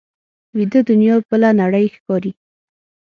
ویده دنیا بله نړۍ ښکاري